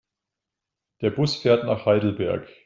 Der Bus fährt nach Heidelberg